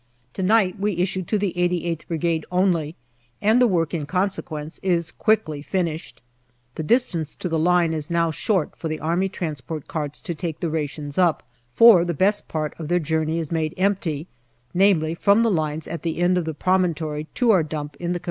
To night we issue to the 88th Brigade only, and the work in consequence is quickly finished. The distance to the line is now short for the A.T. carts to take the rations up, for the best part of their journey is made empty, namely from the lines at the end of the promontory to our dump in the C.R.